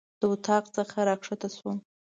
د اطاق څخه راکښته شوم.